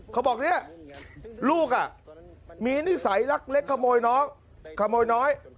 เขาบอกเนี่ยลูกมีนิสัยลักเล็กขโมยน้องขโมยน้อย